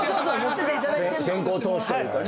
先行投資というかね。